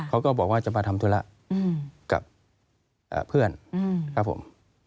เขาก็บอกว่าจะมาทำธุระกับเพื่อนครับผม